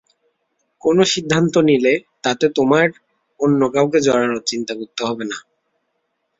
কোনো সিদ্ধান্ত নিলে, তাতে তোমায় অন্য কাউকে জড়ানোর চিন্তা করতে হবে না।